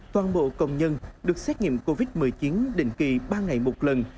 toàn bộ công nhân được xét nghiệm covid một mươi chín định kỳ ba ngày một lần